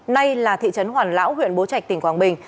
nay là thị trấn hoàn lão huyện bố trạch tỉnh quảng bình